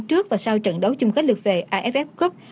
trước và sau trận đấu chung kết lực về aff group